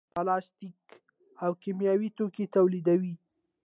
پلاستیک او کیمیاوي توکي تولیدوي.